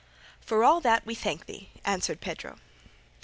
"For all that, we thank thee," answered Pedro.